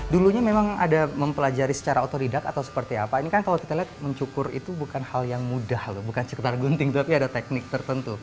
dulunya memang ada mempelajari secara otodidak atau seperti apa ini kan kalau kita lihat mencukur itu bukan hal yang mudah loh bukan sekedar gunting tapi ada teknik tertentu